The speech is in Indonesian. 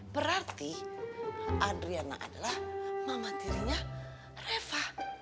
berarti adriana adalah mama tirinya reva